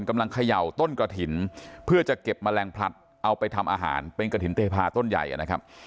เขย่าต้นกระถิ่นเพื่อจะเก็บแมลงพลัดเอาไปทำอาหารเป็นกระถิ่นเทพาต้นใหญ่นะครับ